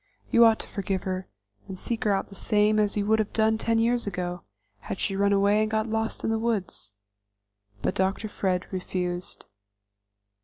You ought to forgive her, and seek her out the same as you would have done ten years ago, had she run away and got lost in the woods." But Dr. Fred refused.